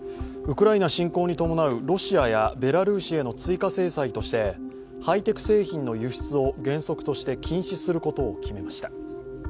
ウクライナ侵攻に伴うロシアやベラルーシへの追加制裁としてハイテク製品の輸出を原則として禁止することを決めました。